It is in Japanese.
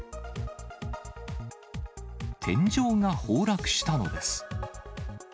天井が崩落したのです。